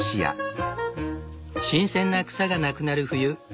新鮮な草がなくなる冬。